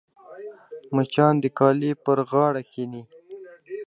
مچان د کالي پر غاړه کښېني